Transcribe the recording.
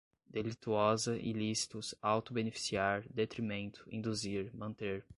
delituosa, ilícitos, auto-beneficiar, detrimento, induzir, manter